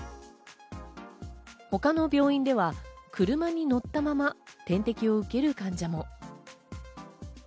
他の病院では車に乗ったまま点滴を受ける患者も。